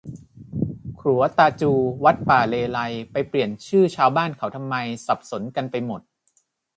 ขรัวตาจู วัดป่าเลไลย ไปเปลี่ยนชื่อชาวบ้านเขาทำไม สับสนกันไปหมด